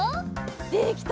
できた。